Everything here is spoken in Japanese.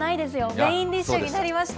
メインディッシュになりました。